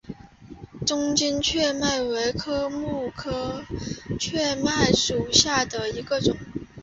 中间雀麦为禾本科雀麦属下的一个种。